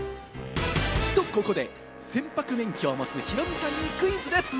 と、ここで船舶免許を持つヒロミさんにクイズです。